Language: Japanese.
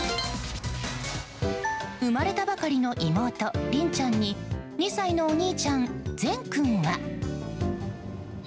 生まれたばかりの妹リンちゃんに２歳のお兄ちゃん、ゼン君が。